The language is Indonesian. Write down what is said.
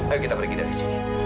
ayo kita pergi dari sini